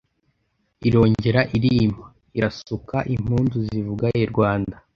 Irongera irima, irasuka, impundu zivuga I Rwanda.